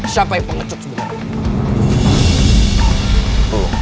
siapa yang pengecut sebenernya